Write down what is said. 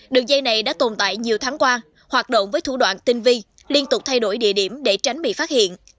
đường dây này đã tồn tại nhiều tháng qua hoạt động với thủ đoạn tinh vi liên tục thay đổi địa điểm để tránh bị phát hiện